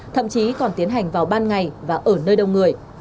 thậm chí còn tiến hành vào ban ngày và ở nơi đông người